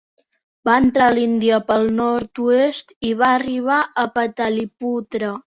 Va entrar a l'Índia pel nord-oest i va arribar a Pataliputra.